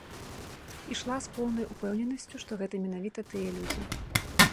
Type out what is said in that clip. Ішла з поўнай упэўненасцю, што гэта менавіта тыя людзі.